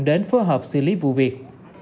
đến phương hợp xử lý vụ việc